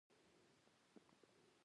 څلورم کس يې شواب و.